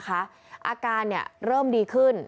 อาการเริ่มดีขึ้น